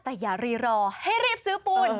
แต่อย่ารีรอให้รีบซื้อปูน